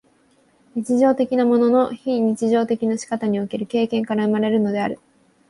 日常的なものの非日常的な仕方における経験から生まれるのである。